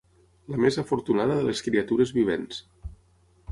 La més afortunada de les criatures vivents